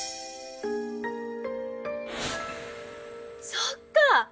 そっか！